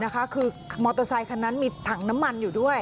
คือมอเตอร์ไซคันนั้นมีถังน้ำมันอยู่ด้วย